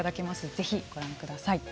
ぜひご覧ください。